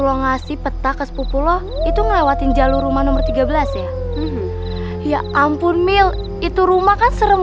lo ngasih peta ke sepupu lo itu melewati jalur rumah nomor tiga belas ya ya ampun mil itu rumah kan serem